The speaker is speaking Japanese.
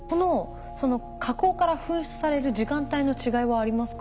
火口から噴出される時間帯の違いはありますか？